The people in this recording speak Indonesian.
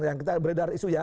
yang kita beredar isu ya